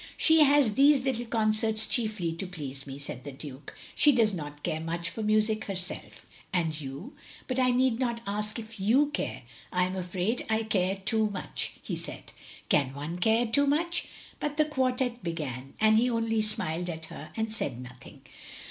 "" She has these little concerts chiefly to please me," said the Duke, "she does not care much for music herself." '* And you — ^but I need not ask if you care —"" I am afraid I care too much, " he said. "Can one care too much?" But the quartette began ; and he only smiled at her, and said nothing.